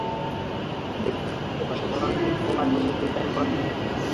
Bachelor ডিগ্রির জন্য সাধারণত তিন থেকে পাঁচ বছর ফুলটাইম পড়াশোনা করতে হয়।